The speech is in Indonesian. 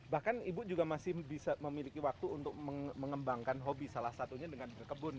bahkan ibu juga masih bisa memiliki waktu untuk mengembangkan hobi salah satunya dengan berkebun